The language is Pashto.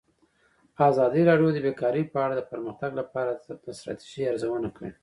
ازادي راډیو د بیکاري په اړه د پرمختګ لپاره د ستراتیژۍ ارزونه کړې.